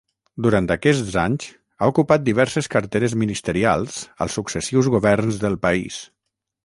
Durant aquests anys, ha ocupat diverses carteres ministerials als successius governs del país.